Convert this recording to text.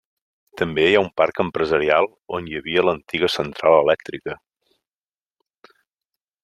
També hi ha un parc empresarial on hi havia l'antiga central elèctrica.